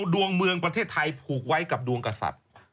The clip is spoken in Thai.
ดวงเมืองประเทศไทยผูกไว้กับดวงกษัตริย์